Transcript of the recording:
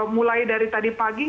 mulai dari tadi pagi